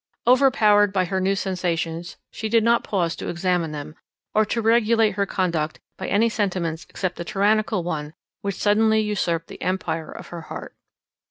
Overpowered by her new sensations, she did not pause to examine them, or to regulate her conduct by any sentiments except the tyrannical one which suddenly usurped the empire of her heart.